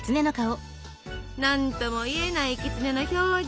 何ともいえないきつねの表情。